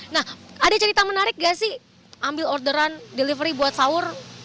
nah ada cerita menarik gak sih ambil orderan delivery buat sahur